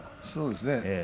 そうですね。